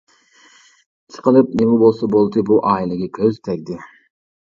ئىشقىلىپ نېمە بولسا بولدى، بۇ ئائىلىگە كۆز تەگدى.